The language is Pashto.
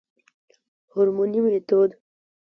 هورموني ميتود